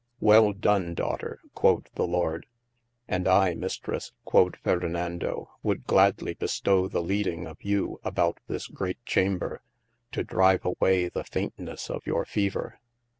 Well done daughter (quod the Lorde.) And I Mistres (quod Ferdlnando) would gladly bestowe the leading of you about this great chamber, to drive away ye faintnesse of your fever.